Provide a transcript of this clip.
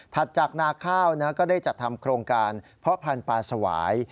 จากนาข้าวก็ได้จัดทำโครงการเพาะพันธุ์ปลาสวาย